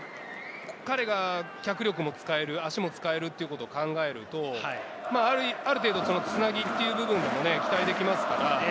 脚力も使えるということを考えると、ある程度、つなぎという部分でも期待できますから。